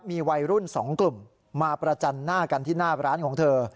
มีวัยรุ่น๒กลุ่มมาประจันหน้ากันที่หน้าร้านของเธอ